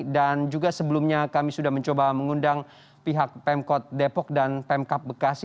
dan juga sebelumnya kami sudah mencoba mengundang pihak pemkot depok dan pemkap bekasi